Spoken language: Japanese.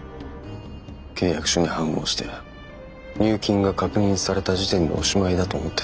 契約書に判を押して入金が確認された時点でおしまいだと思ってた。